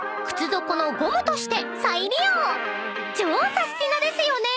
［超サスティな！ですよね］